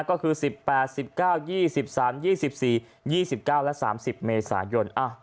ก็คือ๑๘๑๙๒๓๒๔๒๙และ๓๐เมษายน